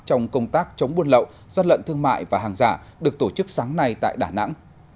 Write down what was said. trong công tác chống buôn lậu gian lận thương mại và hàng giả được tổ chức sáng nay tại đà nẵng